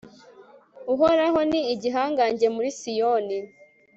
uhoraho ni igihangange muri siyoni